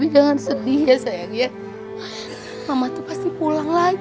jagain debbie pak